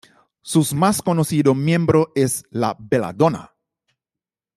Sus más conocido miembro es la belladona.